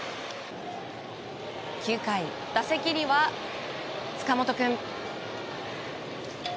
９回、打席には塚本君。